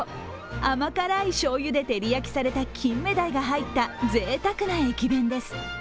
甘辛いしょうゆで照焼きされた金目鯛が入ったぜいたくな駅弁です。